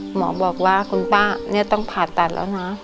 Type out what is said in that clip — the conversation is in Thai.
หมอบอกว่าคุณป้าเนี่ยต้องผ่าตัดแล้วนะ